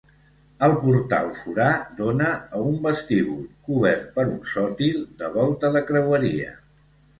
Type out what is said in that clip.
El portal forà dóna a un vestíbul, cobert per un sòtil de volta de creueria.